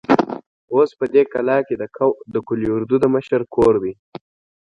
اوس په دې کلا کې د قول اردو د مشر کور دی.